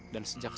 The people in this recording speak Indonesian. dan sejak kemarin